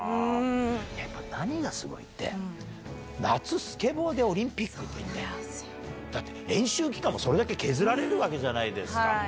やっぱ何がすごいって、夏スケボーでオリンピック出て、だって練習期間もそれだけ削られるわけじゃないですか。